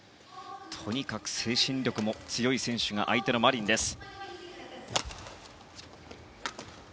とにかく精神力が強い選手が相手のマリンです。